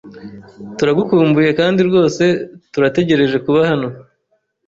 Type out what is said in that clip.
Turagukumbuye kandi rwose turategereje kuba hano.